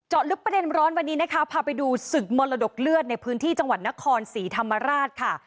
ลึกประเด็นร้อนวันนี้นะคะพาไปดูศึกมรดกเลือดในพื้นที่จังหวัดนครศรีธรรมราชค่ะ